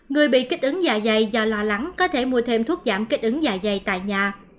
người bị kích ứng dạ dày do lo lắng có thể mua thêm thuốc giảm kích ứng dạ dày tại nhà